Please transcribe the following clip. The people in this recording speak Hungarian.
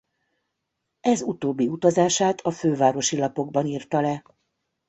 Ez utóbbi utazását a Fővárosi Lapokban írta le.